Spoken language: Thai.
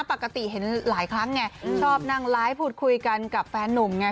ปกติเห็นหลายครั้งไงชอบนั่งไลฟ์พูดคุยกันกับแฟนนุ่มไง